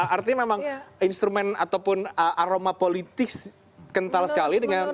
artinya memang instrumen ataupun aroma politik kental sekali dengan